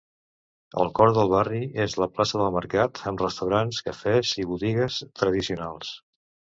El cor del barri és la plaça del Mercat, amb restaurants, cafés i botigues tradicionals.